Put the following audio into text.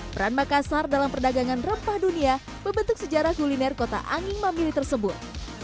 peran makassar dalam perdagangan rempah dunia pebentuk sejarah kuliner kota anging memilih tersebut